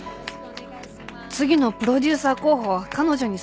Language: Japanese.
次のプロデューサー候補は彼女にするって。